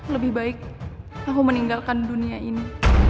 lebih baik aku meninggalkan dunia ini